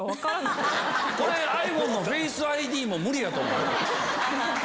ｉＰｈｏｎｅのＦａｃｅＩＤも無理やと思う。